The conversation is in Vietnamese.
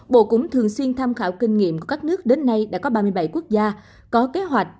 bộ cũng thường xuyên tham khảo kinh nghiệm của các nước đến nay đã có ba mươi bảy quốc gia có kế hoạch